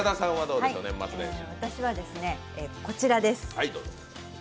私は、こちらです。